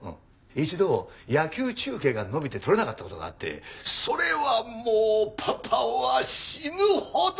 一度野球中継が延びて録れなかった事があってそれはもうパパは死ぬほど後悔してる！